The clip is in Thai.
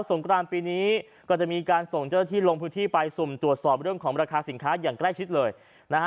งกรานปีนี้ก็จะมีการส่งเจ้าหน้าที่ลงพื้นที่ไปสุ่มตรวจสอบเรื่องของราคาสินค้าอย่างใกล้ชิดเลยนะฮะ